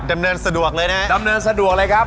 ดำเนินสะดวกเลยนะครับ